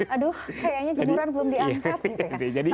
aduh kayaknya ciduran belum diangkat gitu ya